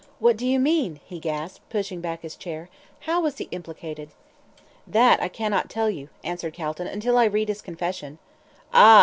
"What do you mean?" he gasped, pushing back his chair. "How was he implicated?" "That I cannot tell you," answered Calton, "until I read his confession." "Ah!"